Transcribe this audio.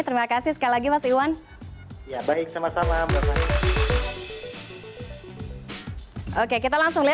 terima kasih sekali lagi